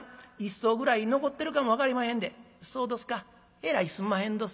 えらいすんまへんどす」。